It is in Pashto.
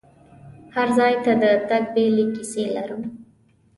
هر ځای ته د تګ بیلې کیسې لرم.